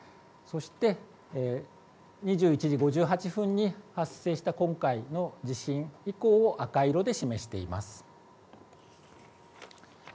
そして２１時５８分に発生した今回の地震以降を赤色で示しています。